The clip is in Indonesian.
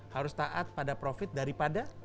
harus taat pada profit daripada